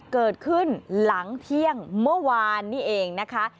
เกิดขึ้นหลังเที่ยงเมื่อวานนี้เองนะคะ